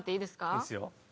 いいですよ。